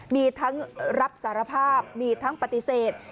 มีทั้งรับสารภาพมีทั้งปฏิเสธ